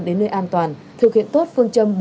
đến nơi an toàn thực hiện tốt phương châm